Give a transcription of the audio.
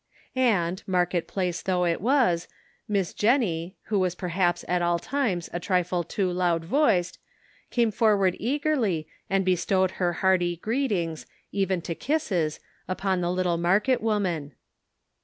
And, market place though it was, Miss Jennie, who was perhaps at all times a trifle too loud voiced, came forward eagerly and bestowed her hearty greetings, even to kisses, upon the little market woman.